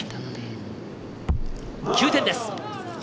９点です。